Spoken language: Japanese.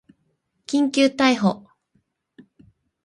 緊急逮捕